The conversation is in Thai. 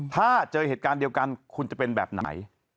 ถ้าเจอเหตุการณ์เดียวกันคุณจะเป็นแบบไหน